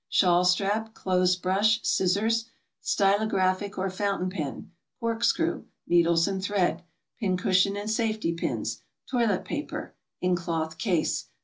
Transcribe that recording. Shawl strap. Clothes brush. Scissors. Stylographic or fountain pen. Corkscrew. Needles and thread. Pin cushion and safety pins. Toilet paper (in cloth case).